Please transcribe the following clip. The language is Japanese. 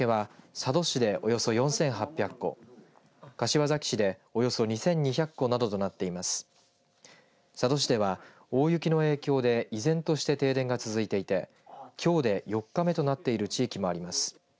佐渡市では大雪の影響で依然として停電が続いていてきょうで４日目となっている地域もあります。